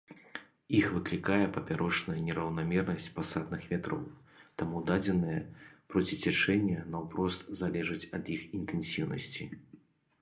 Іх выклікае папярочная нераўнамернасць пасатных вятроў, таму дадзеныя проціцячэнні наўпрост залежаць ад іх інтэнсіўнасці.